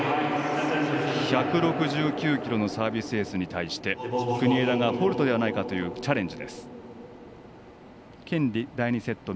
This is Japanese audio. １６９キロのサービスエースに対して国枝がフォールトではないかというチャレンジ。